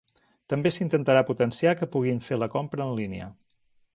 També s’intentarà potenciar que puguin fer la compra en línia.